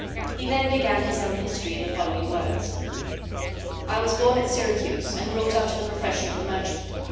He then began his own history, in the following words: "I was born at Syracuse, and brought up to the profession of a merchant.